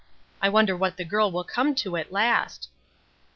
—I wonder what the girl will come to at last!